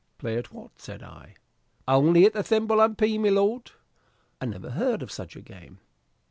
"Play at what?" said I. "Only at the thimble and pea, my lord." "I never heard of such a game."